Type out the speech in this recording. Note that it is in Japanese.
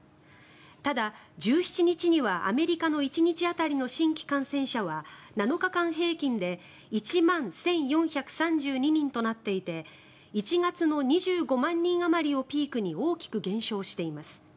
ただ、１７日にはアメリカの１日当たりの新規感染者は７日間平均で１万１４３２人となっていて１月の２５万人あまりをピークに大きく減少しています。